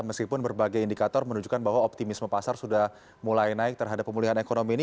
meskipun berbagai indikator menunjukkan bahwa optimisme pasar sudah mulai naik terhadap pemulihan ekonomi ini